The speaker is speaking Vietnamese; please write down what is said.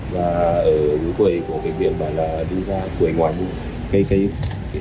và ở quầy của bệnh viện là đi ra quầy ngoài cây cây